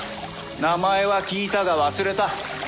名前は聞いたが忘れた。